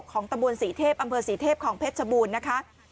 ของตะบัวนศรีเทพอำเภอศรีเทพของเพเจมส์ชบูญนะคะ